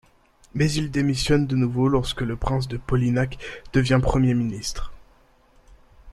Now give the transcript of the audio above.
Mais il démissionne de nouveau lorsque le prince de Polignac devient premier ministre.